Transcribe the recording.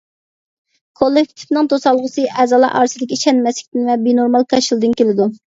كوللېكتىپنىڭ توسالغۇسى ئەزالار ئارىسىدىكى ئىشەنمەسلىكتىن ۋە بىنورمال كاشىلىدىن كېلىدۇ.